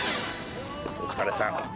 お疲れさん。